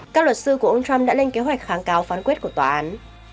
các luật sư của ông trump đã lên kế hoạch kháng cáo phán quyết của tòa án